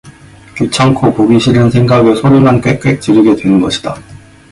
귀찮고 보기 싫은 생각에 소리만 꽥꽥 지르게 되는 것이다.